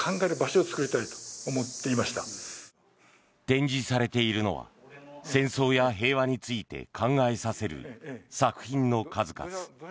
展示されているのは戦争や平和について考えさせる作品の数々。